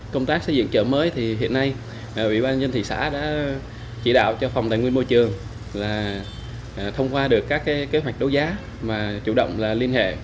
công tác xây dựng chợ mới thì hiện nay ủy ban dân thị xã đã chỉ đạo cho phòng tài nguyên môi trường là thông qua được các kế hoạch đấu giá mà chủ động là liên hệ